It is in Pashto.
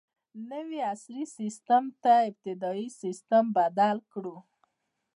نوي عصري سیسټم ته ابتدايي سیسټم بدل کړو.